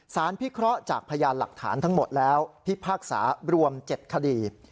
พิเคราะห์จากพยานหลักฐานทั้งหมดแล้วพิพากษารวม๗คดี